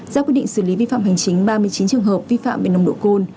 ra quyết định xử lý vi phạm hành chính ba mươi chín trường hợp vi phạm về nồng độ cồn